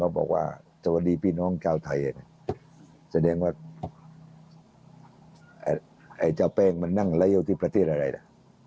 บอกว่าสวัสดีพี่น้องชาวไทยแสดงว่าไอ้เจ้าแป้งมันนั่งแล้วอยู่ที่ประเทศอะไรล่ะ